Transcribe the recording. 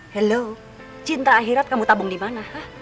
halo cinta akhirat kamu tabung di mana